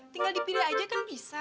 tinggal dipilih aja kan bisa